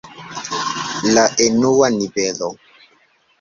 La enua nivelo.